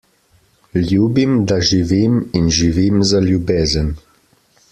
Ljubim, da živim in živim za ljubezen.